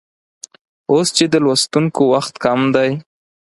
اوس چې د لوستونکو وخت کم دی